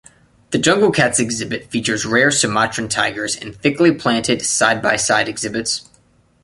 The Jungle Cats exhibit features rare Sumatran tigers in thickly planted, side-by-side exhibits.